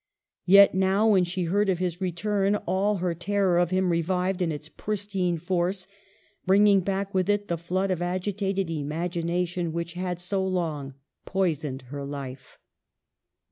Yet now, when she heard of his return, all her terror of him revived in its pristine force, bringing back with it the flood of agitated imagination which had so long poisoned her life.